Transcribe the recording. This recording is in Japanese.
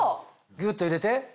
グっと入れて。